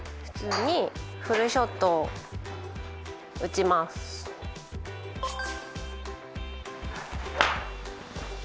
普通にフルショットを打ちます。